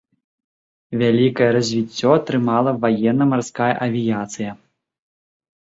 Вялікае развіццё атрымала ваенна-марская авіяцыя.